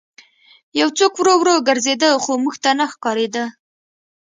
یو څوک ورو ورو ګرځېده خو موږ ته نه ښکارېده